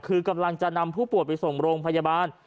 คือกำลังจะนำผู้ป่วยไปส่งโรงพยาบาล